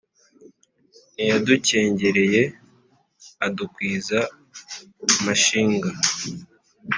ntiyadukengereye adukwiza amashinga.